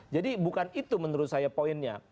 jadi bukan itu menurut saya poinnya